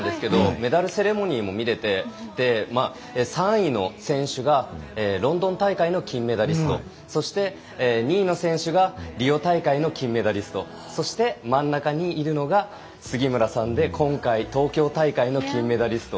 メダルセレモニーも見れて３位の選手がロンドン大会の金メダリストそして、２位の選手がリオ大会の金メダリストそして真ん中にいるのが杉村さんで今回、東京大会の金メダリスト